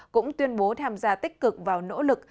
cũng tuyên bố tham gia tích cực vào nỗ lực